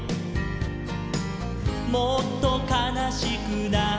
「もっとかなしくなって」